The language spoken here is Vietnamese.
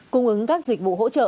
cung ứng các dịch vụ hỗ trợ